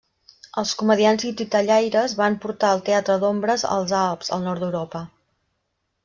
Els comediants i titellaires van portar el teatre d'ombres als Alps al nord d'Europa.